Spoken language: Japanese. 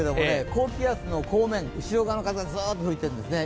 高気圧の後面、風がざっと吹いているんですね。